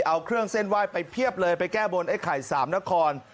เอาเครื่องเส้นไหว้ไปเพียบเลยไปแก้บนไอ้ไข่สามนคร